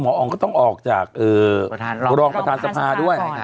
หมออ๋องก็ต้องออกจากรองประธานสภาควร